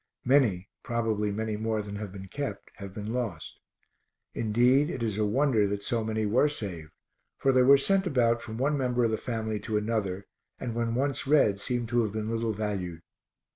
Many, probably many more than have been kept, have been lost; indeed, it is a wonder that so many were saved, for they were sent about from one member of the family to another, and when once read seem to have been little valued.